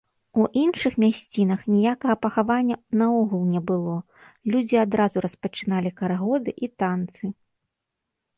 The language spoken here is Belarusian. У іншых мясцінах ніякага пахавання наогул не было, людзі адразу распачыналі карагоды і танцы.